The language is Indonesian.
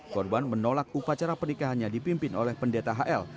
korban menolak upacara pernikahannya dipimpin oleh pendeta hl